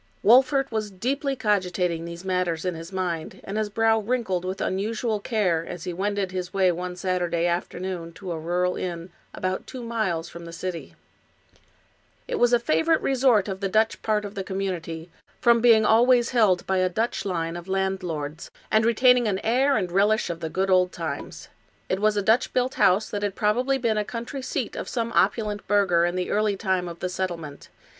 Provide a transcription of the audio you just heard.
Wolfert was deeply cogitating these matters in his mind, and his brow wrinkled with unusual care, as he wended his way one Saturday afternoon to a rural inn, about two miles 170 Washington Irving from the city. It was a favorite resort of the Dutch part of the community, from being always held by a Dutch line of landlords, and retaining an air and relish of the good old times. It was a Dutch built house, that had probably been a country seat of some opulent burgher in the early time of the settlement.